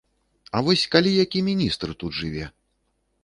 А вось калі які міністр тут жыве?